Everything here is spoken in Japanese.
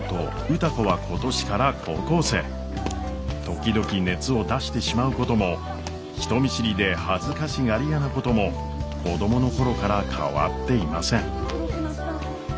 時々熱を出してしまうことも人見知りで恥ずかしがり屋なことも子供の頃から変わっていません。